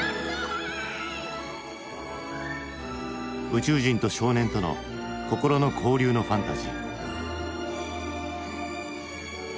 宇宙人と少年との心の交流のファンタジー。